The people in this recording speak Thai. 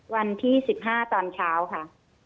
วันที่๑๕ตอนเช้าค่ะ